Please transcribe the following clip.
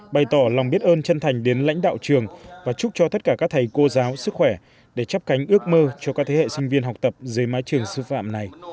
bày tỏ lòng biết ơn chân thành đến lãnh đạo trường và chúc cho tất cả các thầy cô giáo sức khỏe để chấp cánh ước mơ cho các thế hệ sinh viên học tập dưới mái trường sư phạm này